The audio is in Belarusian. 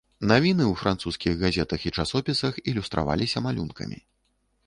Навіны ў французскіх газетах і часопісах ілюстраваліся малюнкамі.